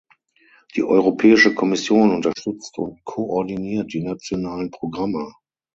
Die Europäische Kommission unterstützt und koordiniert die nationalen Programme.